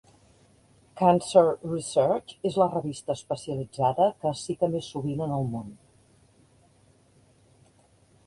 "Cancer Research" és la revista especialitzada que es cita més sovint en el món.